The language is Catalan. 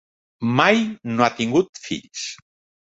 Mai no ha tingut fills.